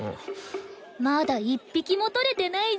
まだ１匹も取れてないじゃん。